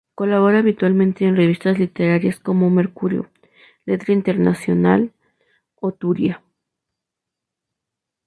Colabora habitualmente en revistas literarias como Mercurio, Letra Internacional o Turia.